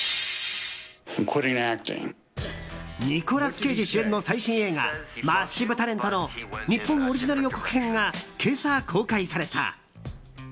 ニコラス・ケイジ主演の最新映画「マッシブ・タレント」の日本オリジナル予告編が今朝、公開された。